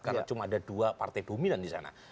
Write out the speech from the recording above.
karena cuma ada dua partai dominan disana